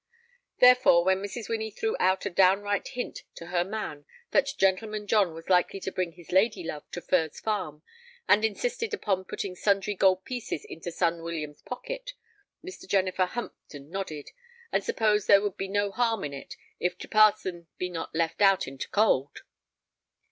Therefore, when Mrs. Winnie threw out a downright hint to her man that Gentleman John was likely to bring his lady loveto Furze Farm, and insisted upon putting sundry gold pieces into son William's pocket, Mr. Jennifer humphed and nodded, and supposed there would be no harm in it "if t' parson be not left out in t' cold."